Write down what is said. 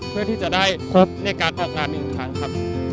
เพื่อที่จะได้พบในการออกงานอีกครั้งครับ